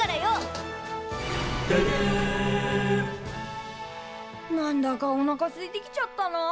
「ででん」なんだかおなかすいてきちゃったな。